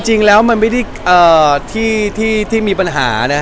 จริงมันก็ไม่ได้เราตอบมีปัญหา